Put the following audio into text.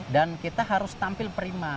dan kita harus tampil prima